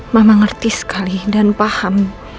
mama ngerti sekali dan paham